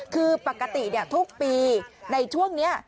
คือปกติเนี่ยทุกปีในช่วงเนี่ย